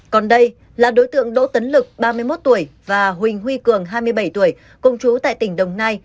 còn đây là đối tượng đỗ tấn lực ba mươi một tuổi và huỳnh huy cường hai mươi bảy tuổi công chú tại tỉnh đồng nai